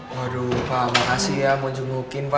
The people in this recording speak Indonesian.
waduh pak makasih ya mau nungguin pak